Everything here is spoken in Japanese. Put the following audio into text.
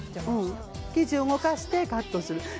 生地を動かしてカットする。